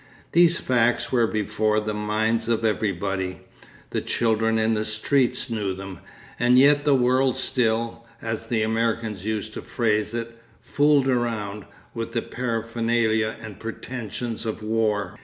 These facts were before the minds of everybody; the children in the streets knew them. And yet the world still, as the Americans used to phrase it, 'fooled around' with the paraphernalia and pretensions of war.